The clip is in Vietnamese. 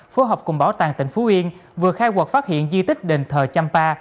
phố học cùng bảo tàng tỉnh phú yên vừa khai quật phát hiện di tích đền thờ champa